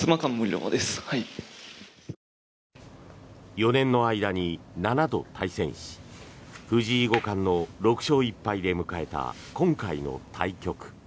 ４年の間に７度対戦し藤井五冠の６勝１敗で迎えた今回の対局。